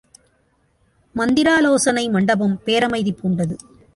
மந்திராலோசனை மண்டபம் பேரமைதி பூண்டது.